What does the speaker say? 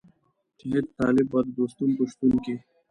چې هېڅ طالب به د دوستم په شتون کې.